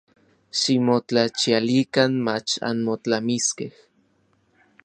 Ximotlachialikan mach anmotlamiskej.